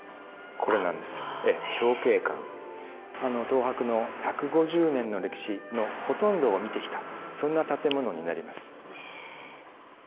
東博の１５０年の歴史のほとんどを見てきたそんな建物になります。